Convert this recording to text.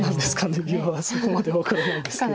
いやそこまでは分からないですけど。